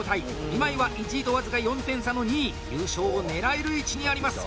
今井は、１位と僅か４点差の２位。優勝を狙える位置にあります。